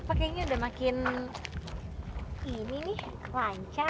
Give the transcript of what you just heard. apa kayaknya udah makin ini nih lancar